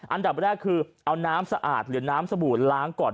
อันดับแรกคือเอาน้ำสะอาดหรือน้ำสบู่ล้างก่อน